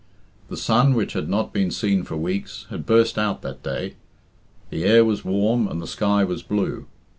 The sun, which had not been seen for weeks, had burst out that day; the air was warm, and the sky was blue.